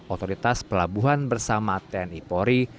otoritas pelabuhan bersama tni polri